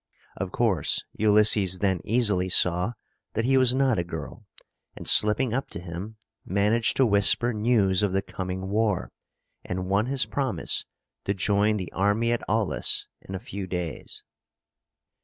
Of course, Ulysses then easily saw that he was not a girl, and, slipping up to him, managed to whisper news of the coming war, and won his promise to join the army at Aulis in a few days.